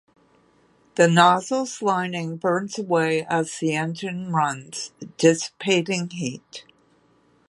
The nozzle's lining burns away as the engine runs, dissipating heat.